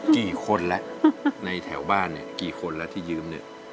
กี่คนแล้วในแถวบ้านเนี่ยกี่คนแล้วที่ยืมเนี่ย